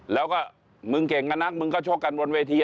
แล้วก็มึงเก่งกับนักมึงก็ชกกันบนเวที